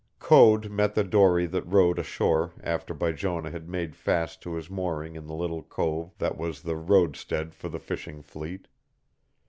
Code met the dory that rowed ashore after Bijonah had made fast to his mooring in the little cove that was the roadstead for the fishing fleet.